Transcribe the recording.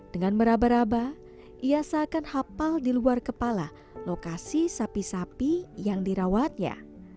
dengan meraba raba ia seakan hafal di luar kepala lokasi sapi sapi yang dirawatnya